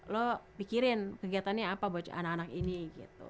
lu pikirin kegiatannya apa buat anak anak ini gitu